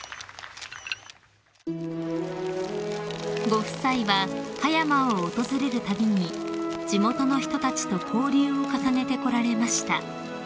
［ご夫妻は葉山を訪れるたびに地元の人たちと交流を重ねてこられました］